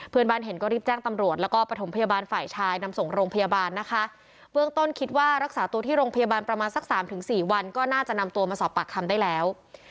เพื่อนบ้านเห็นก็รีบแจ้งตำรวจแล้วก็ประถมพยาบาลฝ่ายชายนำส่งโรงพยาบาลนะคะเบื้องต้นคิดว่ารักษาตัวที่โรงพยาบาลประมาณสักสามถึงสี่วันก็น่าจะนำตัวมาสอบปากคำได้แล้ว